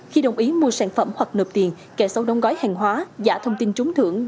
khi đồng ý mua sản phẩm hoặc nợp tiền kẻ sấu đóng gói hàng hóa giả thông tin trúng thưởng